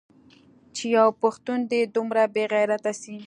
چې يو پښتون دې دومره بې غيرته سي.